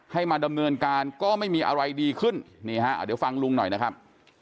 ให้มาดำเนินการก็ไม่มีอะไรดีขึ้นนี่ฮะเดี๋ยวฟังลุงหน่อยนะครับ